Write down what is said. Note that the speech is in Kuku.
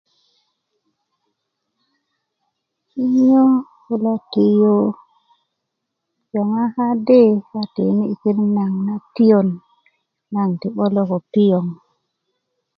kinyo lo tiyu joŋa kadi a tiini' yi pirit natiyön naŋ ti 'bolo ko piyoŋ